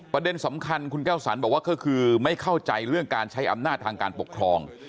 ประเด็นสำคัญคุณแก้วสรรบอกว่าก็คือไม่เข้าใจเรื่องการใช้อำนาจทางการปกครอง